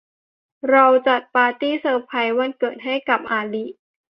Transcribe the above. เราจัดปาร์ตี้เซอร์ไพร์ซวันเกิดให้กับอาลิ